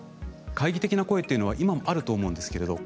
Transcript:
懐疑的な声というのは今もあると思うんですけれど。